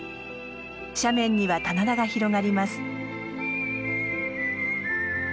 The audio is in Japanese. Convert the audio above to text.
斜面には棚田が広がります。